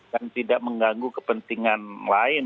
dan tidak mengganggu kepentingan lain